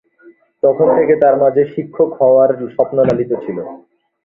তখন থেকে তার মাঝে শিক্ষক হওয়ার স্বপ্ন লালিত ছিল।